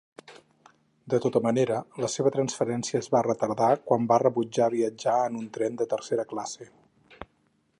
De tota manera, la seva transferència es va retardar quan va rebutjar viatjar en un tren de tercera classe.